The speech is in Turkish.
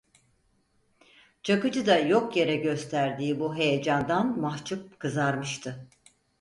Çakıcı da yok yere gösterdiği bu heyecandan mahcup kızarmıştı.